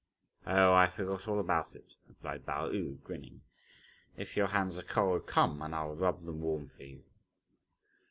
"Oh I forgot all about it," replied Pao yü grinning, "if your hands are cold, come and I'll rub them warm for you."